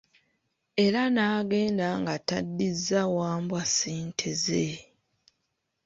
Era n'agenda nga taddizza Wambwa ssente ze.